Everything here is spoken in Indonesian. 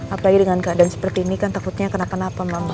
apalagi dengan keadaan seperti ini kan takutnya kenapa mama